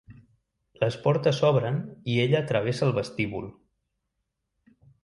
Les portes s'obren i ella travessa el vestíbul.